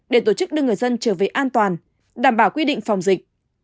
để tổ chức đưa người dân trở về an toàn đảm bảo quy định phòng dịch